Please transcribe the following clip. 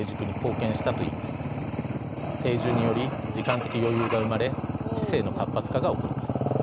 定住により時間的余裕が生まれ知性の活発化が起こります。